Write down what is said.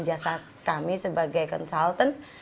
menggunakan jasa kami sebagai konsultan